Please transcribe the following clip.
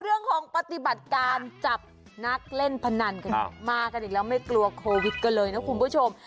ปฏิบัติการจับนักเล่นพนันกันมากันอีกแล้วไม่กลัวโควิดกันเลยนะคุณผู้ชม